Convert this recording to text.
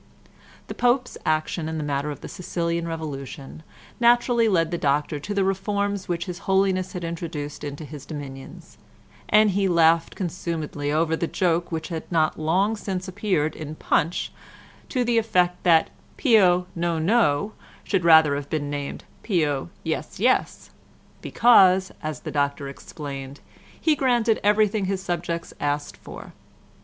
The Pope's action in the matter of the Sicilian revolution naturally led the Doctor to the reforms which his Holiness had introduced into his dominions, and he laughed consumedly over the joke which had not long since appeared in Punch, to the effect that Pio "No, No," should rather have been named Pio "Yes, Yes," because, as the doctor explained, he granted everything his subjects asked for.